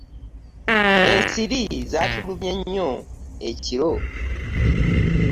Ensiri zaatulumye nnyo ekiro.